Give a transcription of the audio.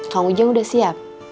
kang ujang sudah siap